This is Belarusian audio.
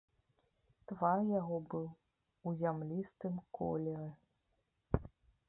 Твар яго быў у зямлістым колеры.